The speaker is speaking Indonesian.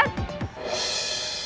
itu bukan apa apa